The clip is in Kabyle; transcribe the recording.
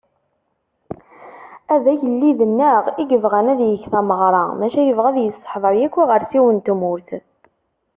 A d agellid-nneγ i yebγan ad yeg tameγra, maca yebγa ad yesseḥdeṛ yakk iγersiwen n tmurt.